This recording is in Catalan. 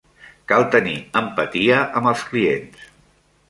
Cal tenir empatia amb els clients.